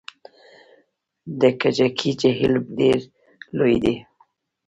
د کجکي جهیل ډیر لوی دی